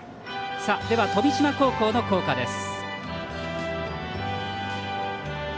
では、富島高校の校歌です。